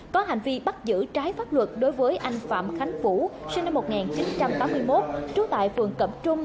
có hành vi bắt giữ trái pháp luật đối với anh phạm khánh vũ sinh năm một nghìn chín trăm tám mươi một trú tại phường cẩm trung